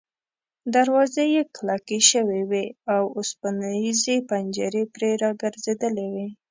دروازې یې کلکې شوې وې او اوسپنیزې پنجرې پرې را ګرځېدلې وې.